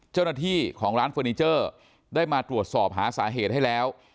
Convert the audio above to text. เจ้าหน้าที่ของร้านเฟอร์นิเจอร์ได้มาตรวจสอบหาสาเหตุให้แล้ว